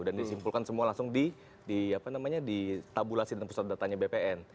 dan disimpulkan semua langsung di di apa namanya di tabulasi dan pusat datanya bpn